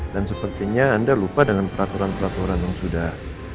sepertinya anda lupa dengan peraturan peraturan yang sudah